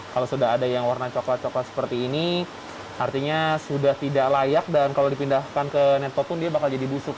kalau sudah ada yang warna coklat coklat seperti ini artinya sudah tidak layak dan kalau dipindahkan ke netpop pun dia bakal jadi busuk